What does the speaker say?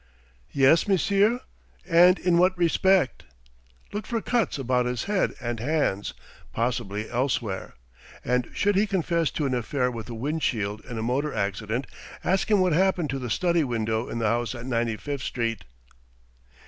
"Yes, monsieur? And in what respect?" "Look for cuts about his head and hands, possibly elsewhere. And should he confess to an affair with a wind shield in a motor accident, ask him what happened to the study window in the house at Ninety fifth Street."